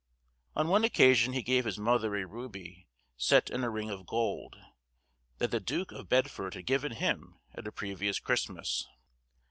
On one occasion he gave his mother a ruby, set in a ring of gold, that the duke of Bedford had given him at a previous Christmas.